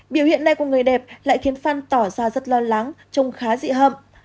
biểu hiện này của người đẹp lại khiến fan tỏ ra rất lo lắng trông khá dị hậm